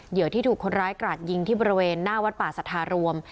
ที่ถูกคนร้ายกราดยิงที่บริเวณหน้าวัดป่าสัทธารวม